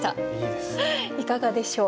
いかがでしょう？